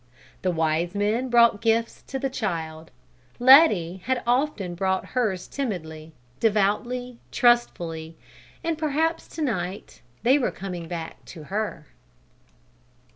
The Wise Men brought gifts to the Child; Letty had often brought hers timidly, devoutly, trustfully, and perhaps to night they were coming back to her!